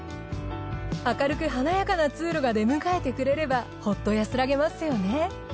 明るく華やかな通路が出迎えてくれればホッと安らげますよね。